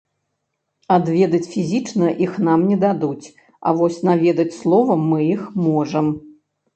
Адведаць фізічна іх нам не дадуць, а вось наведаць словам мы іх можам.